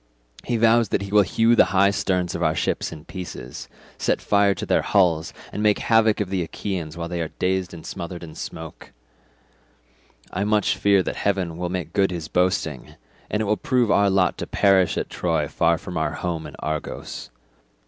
He vows that he will hew the high sterns of our ships in pieces, set fire to their hulls, and make havoc of the Achaeans while they are dazed and smothered in smoke; I much fear that heaven will make good his boasting, and it will prove our lot to perish at Troy far from our home in Argos.